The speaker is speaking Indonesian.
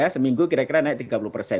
seminggu kira kira naik tiga puluh persen